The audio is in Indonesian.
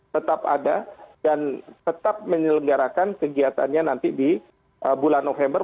tetap ada dan tetap menyelenggarakan kegiatannya nanti di bulan november